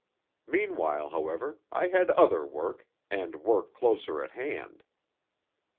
Meanwhile, however, I had other work, and work closer at hand.